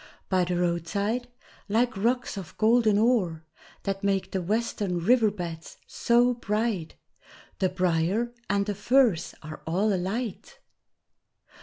By the roadside, like rocks of golden ore That make the western river beds so bright, The briar and the furze are all alight!